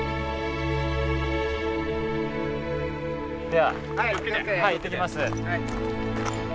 はい行ってきます。